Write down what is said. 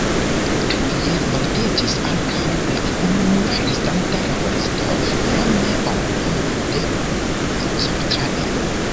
Tuje mortiĝis ankaŭ la ununura restanta laboristo, nome onklo de Coltrane.